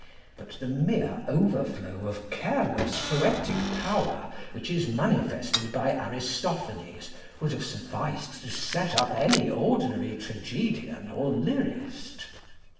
But the mere overflow of careless poetic power which is manifested by Aristophanes would have sufficed to set up any ordinary tragedian or lyrist.